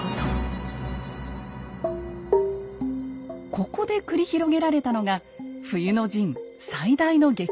ここで繰り広げられたのが冬の陣最大の激戦です。